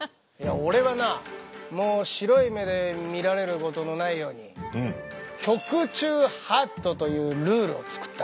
俺はなもう白い目で見られることのないように局中法度というルールを作った。